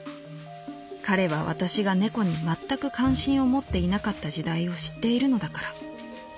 彼は私が猫にまったく関心を持っていなかった時代を知っているのだから」。